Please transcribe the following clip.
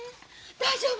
大丈夫。